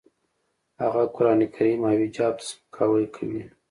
هغه قرانکریم او حجاب ته سپکاوی کوي